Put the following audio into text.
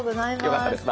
よかったです。